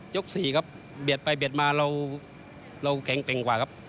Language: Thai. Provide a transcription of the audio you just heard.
๔ครับเบียดไปเบียดมาเราแข็งแกร่งกว่าครับ